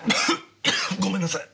ごめんなさい。